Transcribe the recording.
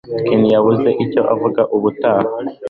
Ken yabuze icyo avuga ubutaha.